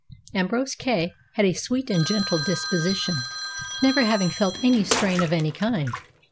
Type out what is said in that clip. Ambrose Kay had a sweet and gentle disposition, never having felt any strain of any kind.